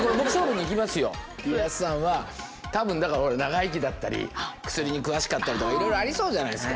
家康さんは多分だからほら長生きだったり薬に詳しかったりとかいろいろありそうじゃないですか。